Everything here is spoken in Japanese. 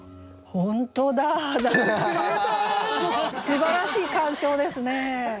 すばらしい鑑賞ですね。